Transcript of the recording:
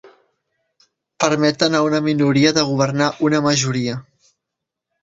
Permeten a una minoria de governar una majoria.